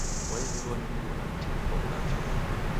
Waidilo ni mruna mtini kwa w'ulacha.